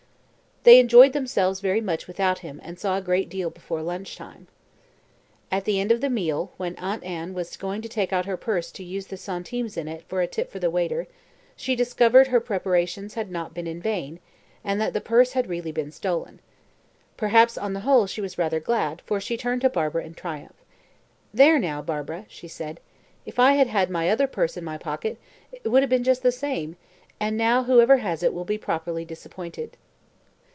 They enjoyed themselves very much without him, and saw a great deal before lunch time. At the end of the meal, when Aunt Anne was going to take out her purse to use the centimes in it for a tip for the waiter, she discovered her preparations had not been in vain, and that the purse really had been stolen. Perhaps, on the whole, she was rather glad, for she turned to Barbara in triumph. "There now, Barbara," she said, "if I had had my other purse in my pocket, it would have been just the same, and now whoever has it will be properly disappointed!"